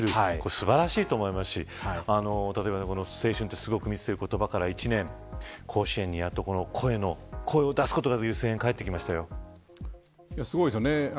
素晴らしいと思いますし立岩さん、青春ってすごく密という言葉から一年甲子園にやっと声を出すことができる、声援がすごいですよね。